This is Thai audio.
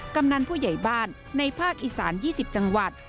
กำนันผู้ใหญ่บ้านในภาคอีสาน๒๐จังหวัด